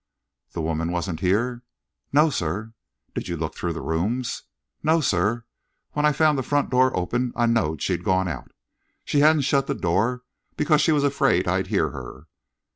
"The woman wasn't here?" "No, sir." "Did you look through the rooms?" "No, sir; when I found the front door open, I knowed she'd gone out. She hadn't shut the door because she was afraid I'd hear her."